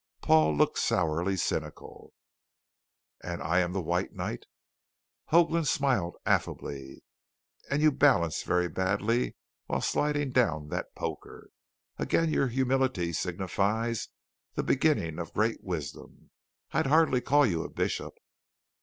Paul looked sourly cynical. "And I am the White Knight?" Hoagland smiled affably. "And you balance very badly while sliding down that poker. Again your humility signifies the beginning of great wisdom. I'd hardly call you a Bishop."